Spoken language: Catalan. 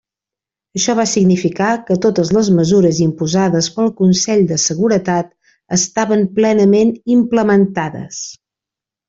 Això va significar que totes les mesures imposades pel Consell de Seguretat estaven plenament implementades.